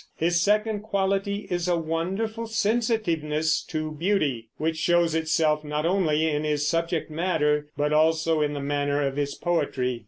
His second quality is a wonderful sensitiveness to beauty, which shows itself not only in his subject matter but also in the manner of his poetry.